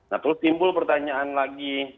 nah terus timbul pertanyaan lagi